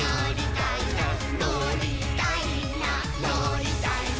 「のりたいなのりたいな」